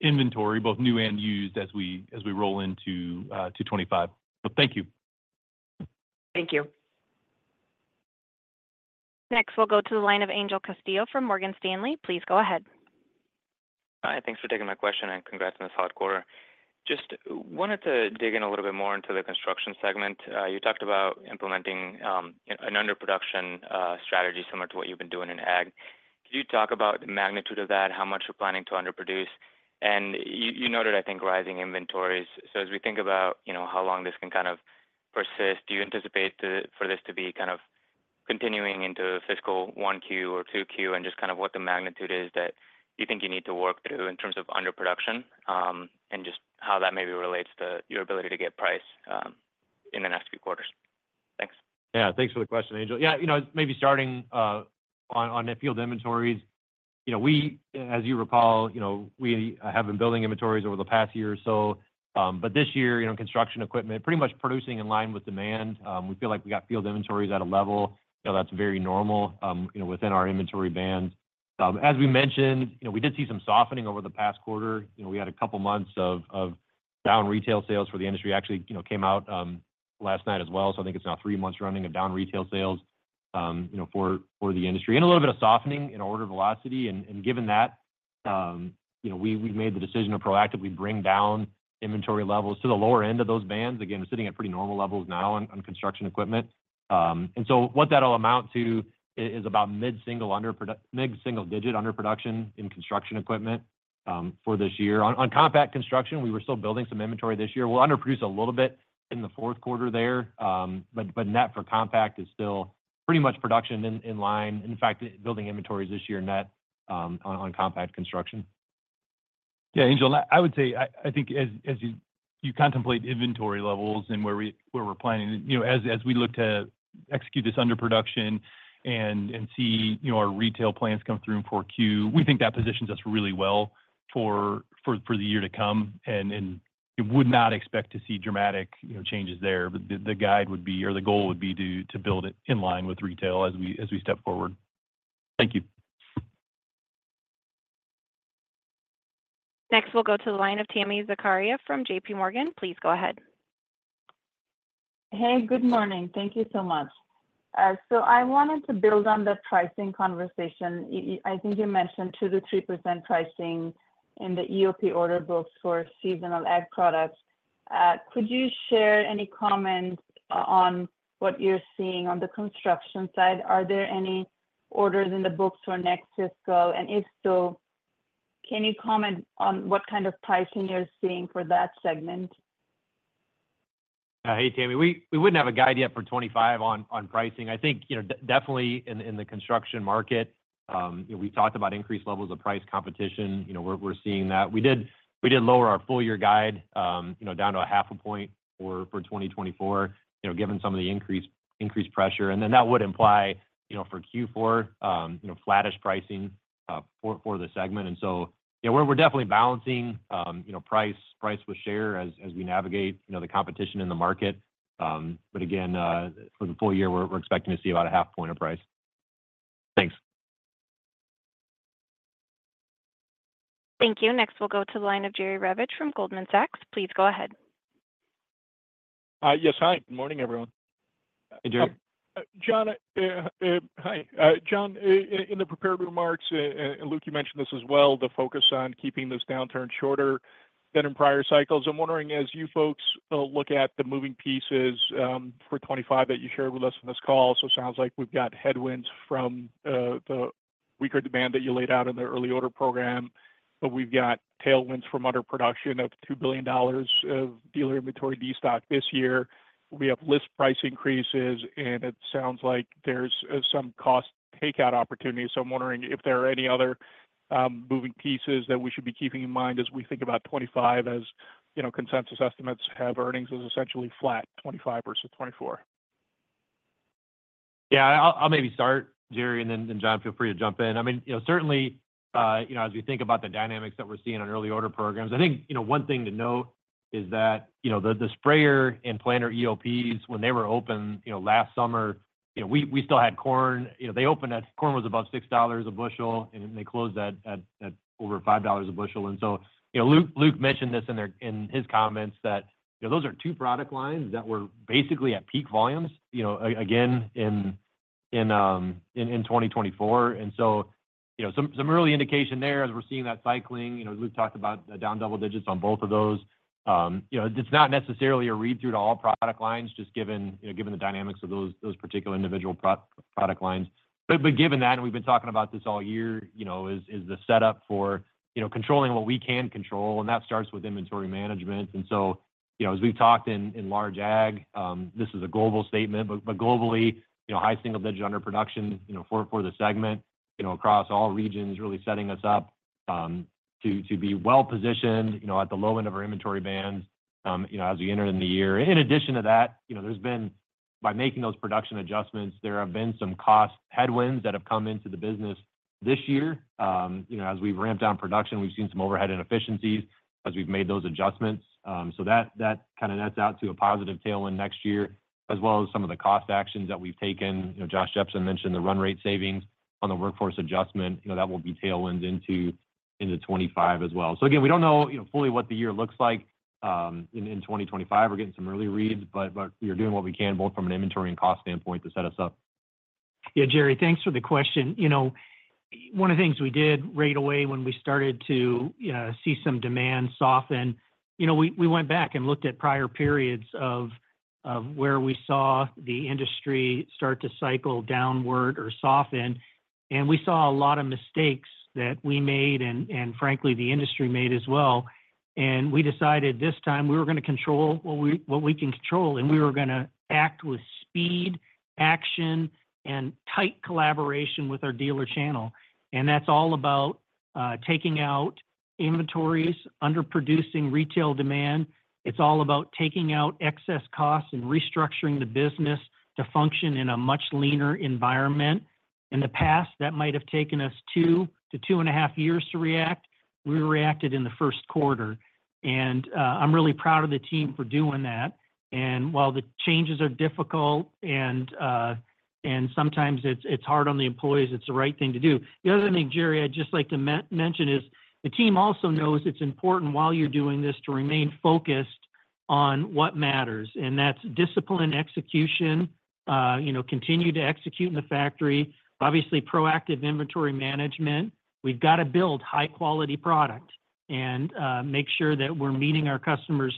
inventory, both new and used, as we roll into 2025. So thank you. Thank you. Next, we'll go to the line of Angel Castillo from Morgan Stanley. Please go ahead. Hi, thanks for taking my question, and congrats on this hard quarter. Just wanted to dig in a little bit more into the construction segment. You talked about implementing an underproduction strategy similar to what you've been doing in ag. Could you talk about the magnitude of that, how much you're planning to underproduce? And you noted, I think, rising inventories. So as we think about, you know, how long this can kind of persist, do you anticipate for this to be kind of continuing into fiscal 1Q or 2Q, and just kind of what the magnitude is that you think you need to work through in terms of underproduction, and just how that maybe relates to your ability to get price in the next few quarters? Thanks. Yeah. Thanks for the question, Angel. Yeah, you know, maybe starting on the field inventories. You know, we as you recall, you know, we have been building inventories over the past year or so, but this year, you know, construction equipment pretty much producing in line with demand. We feel like we got field inventories at a level, you know, that's very normal, you know, within our inventory bands. As we mentioned, you know, we did see some softening over the past quarter. You know, we had a couple months of down retail sales for the industry. Actually, you know, came out last night as well, so I think it's now three months running of down retail sales, you know, for the industry, and a little bit of softening in order velocity. Given that, you know, we've made the decision to proactively bring down inventory levels to the lower end of those bands. Again, we're sitting at pretty normal levels now on construction equipment. And so what that'll amount to is about mid-single digit underproduction in construction equipment for this year. On compact construction, we were still building some inventory this year. We'll underproduce a little bit in the fourth quarter there, but net for compact is still pretty much production in line. In fact, building inventories this year net on compact construction. Yeah, Angel, I would say, I think as you contemplate inventory levels and where we're planning, you know, as we look to execute this underproduction and see, you know, our retail plans come through in 4Q, we think that positions us really well for the year to come, and you would not expect to see dramatic, you know, changes there. But the guide would be or the goal would be to build it in line with retail as we step forward. Thank you. Next, we'll go to the line of Tami Zakaria from J.P. Morgan. Please go ahead. Hey, good morning. Thank you so much. So I wanted to build on the pricing conversation. I think you mentioned 2%-3% pricing in the EOP order books for seasonal ag products. Could you share any comments on what you're seeing on the construction side? Are there any orders in the books for next fiscal? And if so, can you comment on what kind of pricing you're seeing for that segment? Hey, Tami. We wouldn't have a guide yet for 2025 on pricing. I think, you know, definitely in the construction market, you know, we talked about increased levels of price competition. You know, we're seeing that. We did lower our full year guide, you know, down to 0.5 point for 2024, you know, given some of the increased pressure. And then that would imply, you know, for Q4, you know, flattish pricing for the segment. And so, you know, we're definitely balancing, you know, price with share as we navigate, you know, the competition in the market. But again, for the full year, we're expecting to see about 0.5 point of price. Thanks. Thank you. Next, we'll go to the line of Jerry Revich from Goldman Sachs. Please go ahead. Yes, hi. Good morning, everyone. Hey, Jerry. John, hi. John, in the prepared remarks, and Luke, you mentioned this as well, the focus on keeping this downturn shorter than in prior cycles. I'm wondering, as you folks look at the moving pieces for 2025 that you shared with us on this call, so it sounds like we've got headwinds from the weaker demand that you laid out in the Early Order Programs, but we've got tailwinds from underproduction of $2 billion of dealer inventory destock this year. We have list price increases, and it sounds like there's some cost takeout opportunities. So I'm wondering if there are any other moving pieces that we should be keeping in mind as we think about 2025, as you know, consensus estimates have earnings as essentially flat, 2025 versus 2024? Yeah, I'll maybe start, Jerry, and then John, feel free to jump in. I mean, you know, certainly, you know, as we think about the dynamics that we're seeing on Early Order Programss, I think, you know, one thing to note is that, you know, the sprayer and planter EOPs, when they were open, you know, last summer, you know, we still had corn. You know, they opened at corn was about $6 a bushel, and then they closed at over $5 a bushel. And so, you know, Luke mentioned this in his comments, that, you know, those are two product lines that were basically at peak volumes, you know, again, in 2024. And so, you know, some early indication there as we're seeing that cycling. You know, Luke talked about the down double digits on both of those. You know, it's not necessarily a read-through to all product lines, just given, you know, given the dynamics of those, those particular individual product lines. But given that, and we've been talking about this all year, you know, is the setup for, you know, controlling what we can control, and that starts with inventory management. And so, you know, as we've talked in large ag, this is a global statement, but globally, you know, high single digit underproduction, you know, for the segment, you know, across all regions, really setting us up to be well-positioned, you know, at the low end of our inventory bands, you know, as we enter in the year. In addition to that, you know, there's been. By making those production adjustments, there have been some cost headwinds that have come into the business this year. You know, as we've ramped down production, we've seen some overhead inefficiencies as we've made those adjustments. So that kind of nets out to a positive tailwind next year, as well as some of the cost actions that we've taken. You know, Josh Jepsen mentioned the run rate savings on the workforce adjustment. You know, that will be tailwind into 25 as well. So again, we don't know, you know, fully what the year looks like in 2025. We're getting some early reads, but we are doing what we can, both from an inventory and cost standpoint, to set us up. Yeah, Jerry, thanks for the question. You know, one of the things we did right away when we started to see some demand soften, you know, we went back and looked at prior periods of where we saw the industry start to cycle downward or soften, and we saw a lot of mistakes that we made and, frankly, the industry made as well. We decided this time we were gonna control what we can control, and we were gonna act with speed, action, and tight collaboration with our dealer channel. That's all about taking out inventories, underproducing retail demand. It's all about taking out excess costs and restructuring the business to function in a much leaner environment. In the past, that might have taken us 2-2.5 years to react. We reacted in the first quarter, and I'm really proud of the team for doing that. And while the changes are difficult and sometimes it's hard on the employees, it's the right thing to do. The other thing, Jerry, I'd just like to mention, is the team also knows it's important while you're doing this to remain focused on what matters, and that's discipline, execution, you know, continue to execute in the factory. Obviously, proactive inventory management. We've got to build high-quality product and make sure that we're meeting our customers'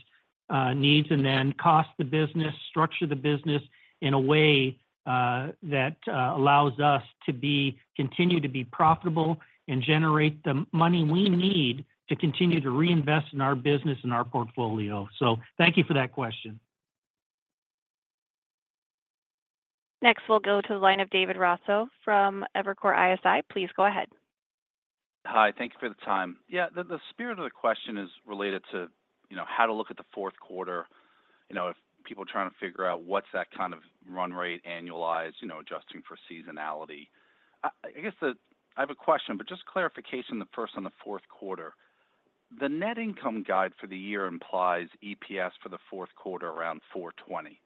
needs, and then cost the business, structure the business in a way that allows us to continue to be profitable and generate the money we need to continue to reinvest in our business and our portfolio. So thank you for that question. Next, we'll go to the line of David Raso from Evercore ISI. Please go ahead. Hi, thank you for the time. Yeah, the spirit of the question is related to, you know, how to look at the fourth quarter. You know, if people are trying to figure out what's that kind of run rate, annualized, you know, adjusting for seasonality. I guess I have a question, but just clarification, the first on the fourth quarter. The net income guide for the year implies EPS for the fourth quarter around $4.20.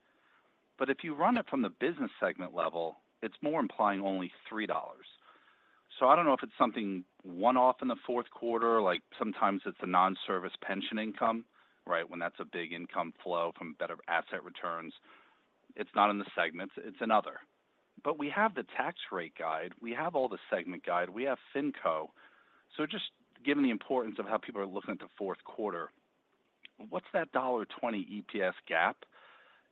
But if you run it from the business segment level, it's more implying only $3. So I don't know if it's something one-off in the fourth quarter, like sometimes it's a non-service pension income, right? When that's a big income flow from better asset returns. It's not in the segments, it's in other. But we have the tax rate guide, we have all the segment guide, we have Finco. So just given the importance of how people are looking at the fourth quarter, what's that $20 EPS gap?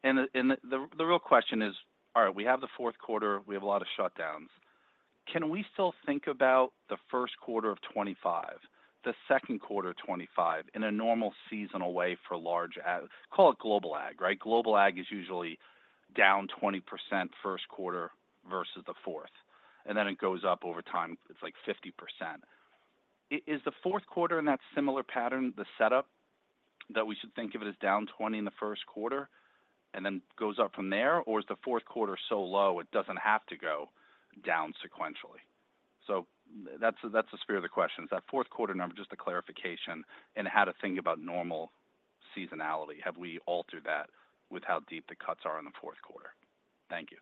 And the real question is: All right, we have the fourth quarter, we have a lot of shutdowns. Can we still think about the first quarter of 2025, the second quarter of 2025, in a normal seasonal way for large ag, call it global ag, right? Global ag is usually down 20% first quarter versus the fourth, and then it goes up over time, it's like 50%. Is the fourth quarter in that similar pattern, the setup, that we should think of it as down 20% in the first quarter and then goes up from there? Or is the fourth quarter so low, it doesn't have to go down sequentially? So that's the spirit of the question. Is that fourth quarter number, just a clarification and how to think about normal seasonality, have we altered that with how deep the cuts are in the fourth quarter? Thank you.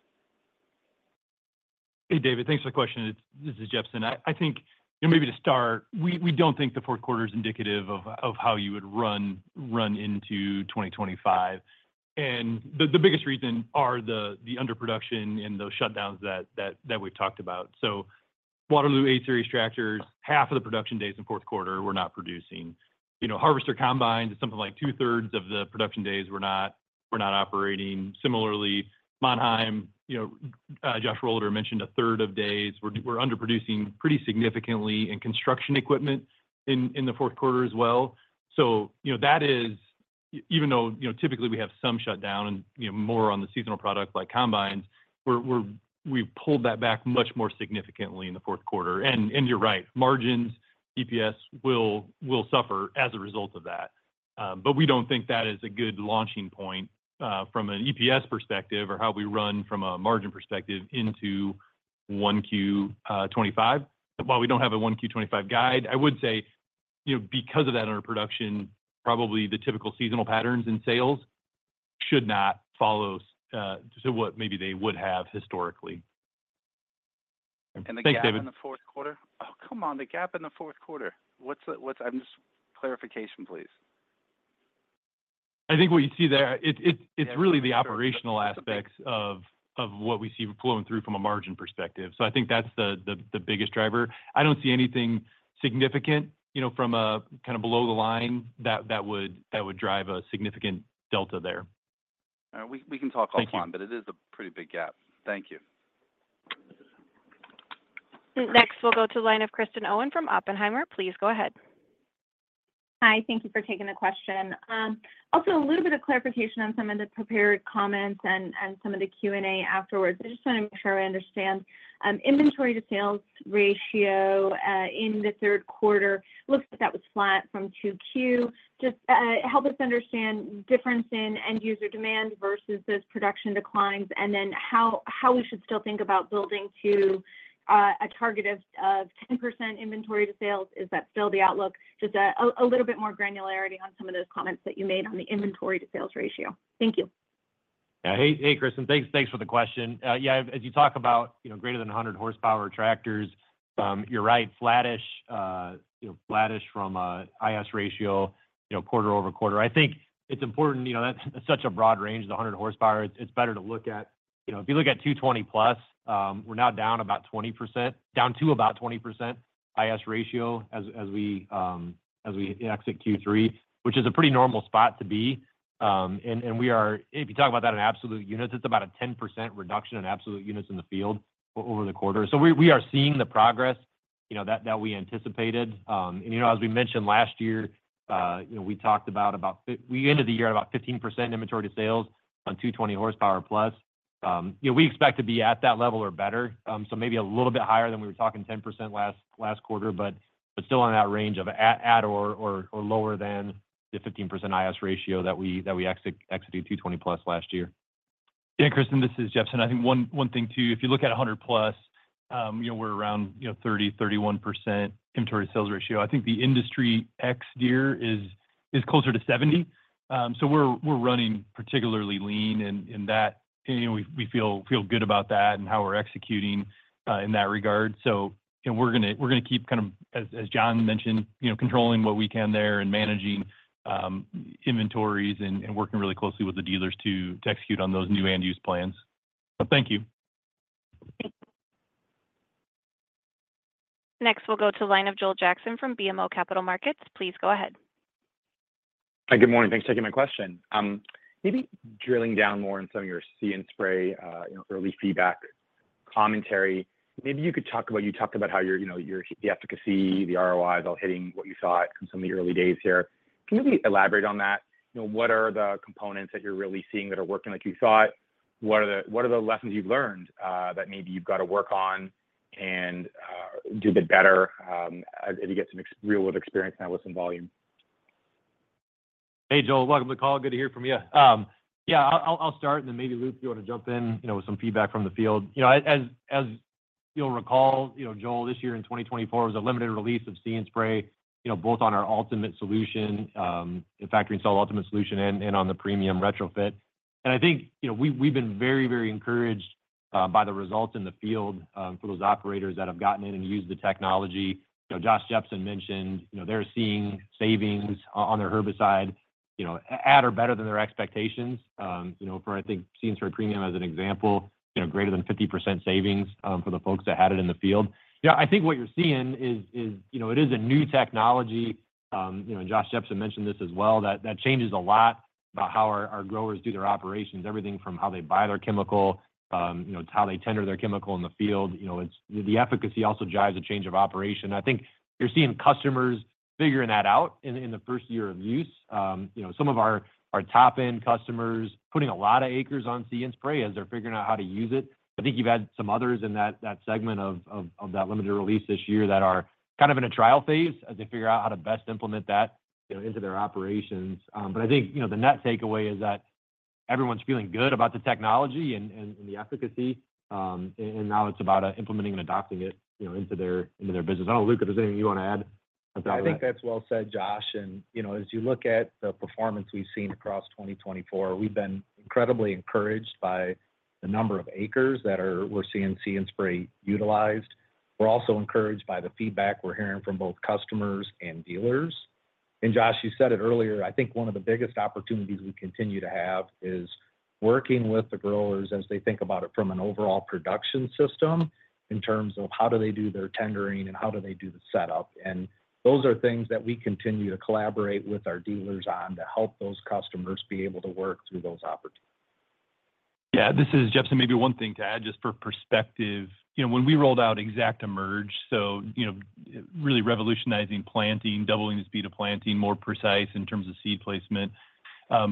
Hey, David. Thanks for the question. This is Jepsen. I think, you know, maybe to start, we don't think the fourth quarter is indicative of how you would run into 2025. And the biggest reason are the underproduction and those shutdowns that we've talked about. So Waterloo 8 Series tractors, half of the production days in fourth quarter were not producing. You know, Harvester combines, something like two-thirds of the production days were not operating. Similarly, Mannheim, you know, Josh Rohleder mentioned a third of days we're underproducing pretty significantly in construction equipment in the fourth quarter as well. So, you know, that is. Even though, you know, typically we have some shutdown and, you know, more on the seasonal product like combines, we've pulled that back much more significantly in the fourth quarter. And you're right, margins, EPS will suffer as a result of that. but we don't think that is a good launching point from an EPS perspective or how we run from a margin perspective into 1Q25. While we don't have a 1Q25 guide, I would say, you know, because of that underproduction, probably the typical seasonal patterns in sales should not follow to what maybe they would have historically. Thanks, David. The gap in the fourth quarter? Oh, come on, the gap in the fourth quarter. What's the, what's, I'm just, clarification, please. I think what you see there, it's really the operational aspects of what we see flowing through from a margin perspective. So I think that's the biggest driver. I don't see anything significant, you know, from a kind of below the line that would drive a significant delta there. All right. We can talk all fine. Thank you but it is a pretty big gap. Thank you. Next, we'll go to the line of Kristen Owen from Oppenheimer. Please go ahead. Hi, thank you for taking the question. Also a little bit of clarification on some of the prepared comments and some of the Q&A afterwards. I just want to make sure I understand. Inventory to Sales Ratio in the third quarter looks like that was flat from 2Q. Just help us understand the difference in end-user demand versus those production declines, and then how we should still think about building to a target of 10% Inventory to Sales Ratio. Is that still the outlook? Just a little bit more granularity on some of those comments that you made on the Inventory to Sales Ratio. Thank you. Yeah. Hey, hey, Kristen. Thanks, thanks for the question. Yeah, as you talk about, you know, greater than 100 horsepower tractors, you're right, flattish, you know, flattish from a IS ratio, you know, quarter-over-quarter. I think it's important, you know, that such a broad range of the 100 horsepower. It's, it's better to look at you know, if you look at 220 plus, we're now down about 20%, down to about 20% IS ratio as, as we, as we exit Q3, which is a pretty normal spot to be. And, and we are if you talk about that in absolute units, it's about a 10% reduction in absolute units in the field over the quarter. So we, we are seeing the progress, you know, that, that we anticipated. And, you know, as we mentioned last year, you know, we talked about, we ended the year at about 15% inventory to sales on 220 horsepower plus. You know, we expect to be at that level or better, so maybe a little bit higher than we were talking 10% last quarter, but still in that range of at or lower than the 15% IS ratio that we exited 220+ last year. Yeah, Kristen, this is Jepsen. I think one thing, too, if you look at 100+, you know, we're around, you know, 30%-31% inventory-to-sales ratio. I think the industry ex Deere is closer to 70%. So, we're running particularly lean in that, and, you know, we feel good about that and how we're executing in that regard. So, and we're gonna keep kind of, as John mentioned, you know, controlling what we can there and managing inventories and working really closely with the dealers to execute on those new and used plans. But thank you. Next, we'll go to the line of Joel Jackson from BMO Capital Markets. Please go ahead. Hi, good morning. Thanks for taking my question. Maybe drilling down more on some of your See & Spray, you know, early feedback commentary. Maybe you could talk about—you talked about how your, you know, your, the efficacy, the ROI, they're all hitting what you thought from some of the early days here. Can you elaborate on that? You know, what are the components that you're really seeing that are working like you thought? What are the, what are the lessons you've learned, that maybe you've got to work on and, do a bit better, as you get some real-world experience now with some volume? Hey, Joel, welcome to the call. Good to hear from you. Yeah, I'll start and then maybe, Luke, you want to jump in, you know, with some feedback from the field. You know, as you'll recall, you know, Joel, this year in 2024 was a limited release of See & Spray, you know, both on our ultimate solution in factory install ultimate solution and on the premium retrofit. And I think, you know, we we've been very, very encouraged by the results in the field for those operators that have gotten in and used the technology. You know, Josh Jepsen mentioned, you know, they're seeing savings on their herbicide, you know, at or better than their expectations. You know, for, I think, See & Spray Premium as an example, you know, greater than 50% savings, for the folks that had it in the field. Yeah, I think what you're seeing is, you know, it is a new technology, you know, Josh Jepsen mentioned this as well, that changes a lot about how our growers do their operations. Everything from how they buy their chemical, you know, to how they tender their chemical in the field. You know, it's the efficacy also drives a change of operation. I think you're seeing customers figuring that out in the first year of use. You know, some of our top-end customers putting a lot of acres on See & Spray as they're figuring out how to use it. I think you've had some others in that segment of that limited release this year that are kind of in a trial phase as they figure out how to best implement that, you know, into their operations. But I think, you know, the net takeaway is that everyone's feeling good about the technology and the efficacy, and now it's about implementing and adopting it, you know, into their business. I don't know, Luke, if there's anything you want to add about that? I think that's well said, Josh. You know, as you look at the performance we've seen across 2024, we've been incredibly encouraged by the number of acres that we're seeing See & Spray utilized. We're also encouraged by the feedback we're hearing from both customers and dealers. Josh, you said it earlier. I think one of the biggest opportunities we continue to have is working with the growers as they think about it from an overall production system, in terms of how do they do their tendering and how do they do the setup. Those are things that we continue to collaborate with our dealers on to help those customers be able to work through those opportunities. Yeah, this is Jepsen. Maybe one thing to add, just for perspective. You know, when we rolled out ExactEmerge, so, you know, really revolutionizing planting, doubling the speed of planting, more precise in terms of seed placement.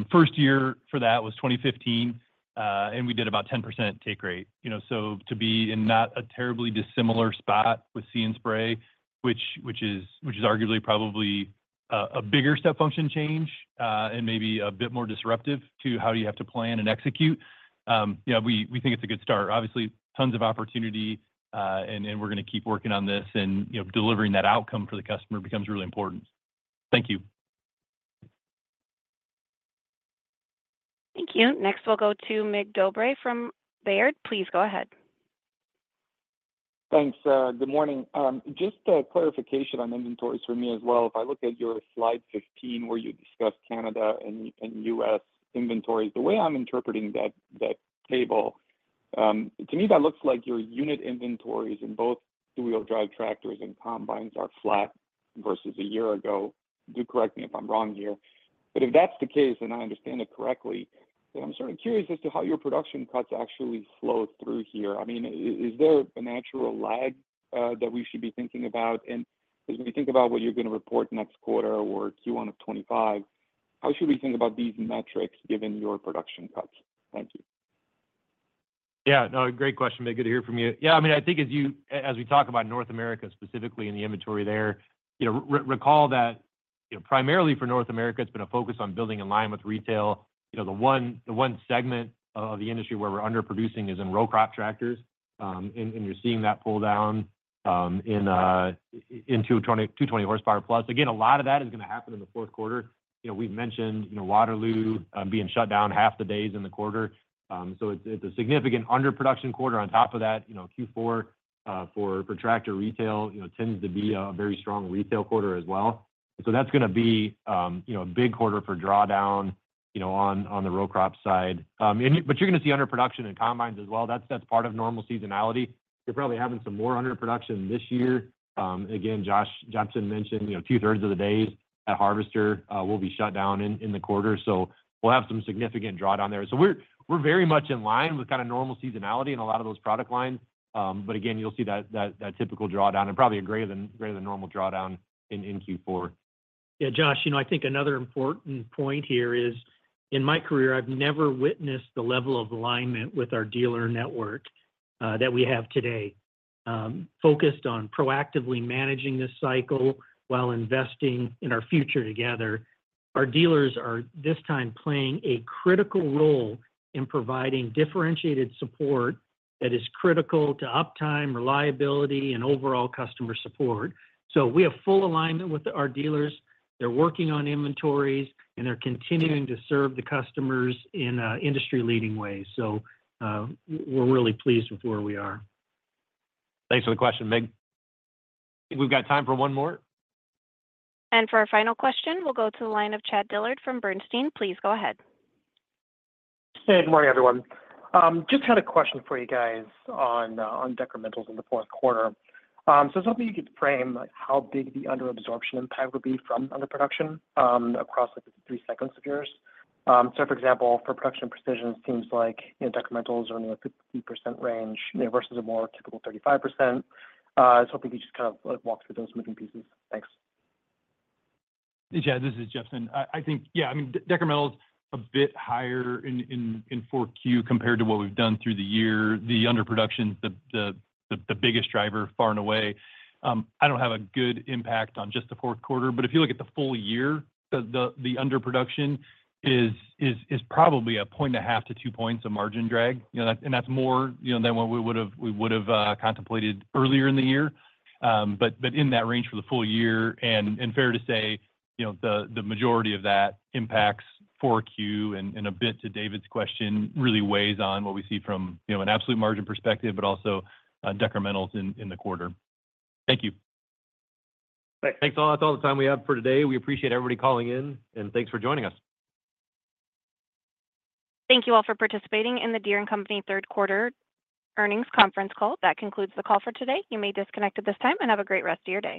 First year for that was 2015, and we did about 10% take rate. You know, so to be in not a terribly dissimilar spot with See & Spray, which is arguably probably a bigger step function change, and maybe a bit more disruptive to how you have to plan and execute. Yeah, we think it's a good start. Obviously, tons of opportunity, and we're gonna keep working on this, and, you know, delivering that outcome for the customer becomes really important. Thank you. Thank you. Next, we'll go to Mig Dobre from Baird. Please go ahead. Thanks, good morning. Just a clarification on inventories for me as well. If I look at your slide 15, where you discuss Canada and U.S. inventories, the way I'm interpreting that table, to me, that looks like your unit inventories in both two-wheel drive tractors and combines are flat versus a year ago. Do correct me if I'm wrong here. But if that's the case, and I understand it correctly, then I'm sort of curious as to how your production cuts actually flow through here. I mean, is there a natural lag that we should be thinking about? And as we think about what you're going to report next quarter or Q1 of 2025, how should we think about these metrics, given your production cuts? Thank you. Yeah, no, great question, Mig. Good to hear from you. Yeah, I mean, I think as we talk about North America, specifically in the inventory there, you know, recall that, you know, primarily for North America, it's been a focus on building in line with retail. You know, the one, the one segment of the industry where we're underproducing is in row crop tractors. And you're seeing that pull down in 220 horsepower plus. Again, a lot of that is gonna happen in the fourth quarter. You know, we've mentioned, you know, Waterloo being shut down half the days in the quarter. So it's a significant underproduction quarter. On top of that, you know, Q4 for tractor retail, you know, tends to be a very strong retail quarter as well. So that's gonna be, you know, a big quarter for drawdown, you know, on, on the row crop side. But you're gonna see underproduction in combines as well. That's part of normal seasonality. You're probably having some more underproduction this year. Again, Josh Jepsen mentioned, you know, two-thirds of the days, that Harvester will be shut down in the quarter, so we'll have some significant drawdown there. So we're very much in line with kind of normal seasonality in a lot of those product lines. But again, you'll see that typical drawdown, and probably a greater than normal drawdown in Q4. Yeah, Josh, you know, I think another important point here is, in my career, I've never witnessed the level of alignment with our dealer network that we have today. Focused on proactively managing this cycle while investing in our future together. Our dealers are, this time, playing a critical role in providing differentiated support that is critical to uptime, reliability, and overall customer support. So we have full alignment with our dealers. They're working on inventories, and they're continuing to serve the customers in an industry-leading way. So, we're really pleased with where we are. Thanks for the question, Mig. I think we've got time for one more. For our final question, we'll go to the line of Chad Dillard from Bernstein. Please go ahead. Hey, good morning, everyone. Just had a question for you guys on decrementals in the fourth quarter. So I was hoping you could frame how big the underabsorption impact would be from underproduction across the three segments of yours. So for example, for Production & Precision, seems like, you know, decrementals are in the 50% range, you know, versus a more typical 35%. I was hoping you could just kind of, like, walk through those moving pieces. Thanks. Hey, Chad, this is Jefferson. I think, yeah, I mean, decremental is a bit higher in 4Q compared to what we've done through the year. The underproduction is the biggest driver, far and away. I don't have a good impact on just the fourth quarter, but if you look at the full year, the underproduction is probably 1.5-2 points of margin drag. You know, and that's more, you know, than what we would've contemplated earlier in the year. But in that range for the full year, and fair to say, you know, the majority of that impacts 4Q, and a bit to David's question, really weighs on what we see from, you know, an absolute margin perspective, but also, decrementals in the quarter. Thank you. Thanks. Thanks, all. That's all the time we have for today. We appreciate everybody calling in, and thanks for joining us. Thank you all for participating in the Deere & Company third quarter earnings conference call. That concludes the call for today. You may disconnect at this time, and have a great rest of your day.